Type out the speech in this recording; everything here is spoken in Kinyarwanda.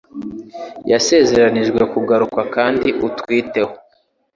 Yasezeranijwe kugaruka Kandi utwiteho